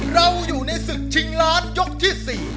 เราอยู่ในศึกชิงล้านยกที่๔